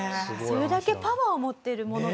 それだけパワーを持っているもの。